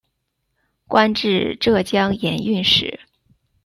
官至浙江盐运使。